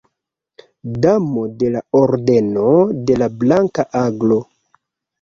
Damo de la Ordeno de la Blanka Aglo.